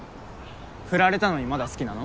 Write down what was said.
フラれたのにまだ好きなの？